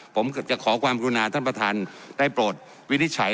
ผมเกือบจะขอความกรุณาท่านประธานได้โปรดวินิจฉัย